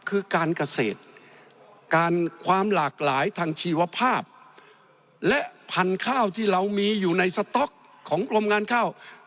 คือการเกษตรการความหลากหลายทางชีวภาพและพันธุ์ข้าวที่เรามีอยู่ในสต๊อกของกรมงานข้าว